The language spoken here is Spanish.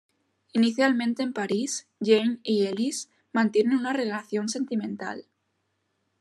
Inicialmente en París, Jane y Ellis mantienen una relación sentimental.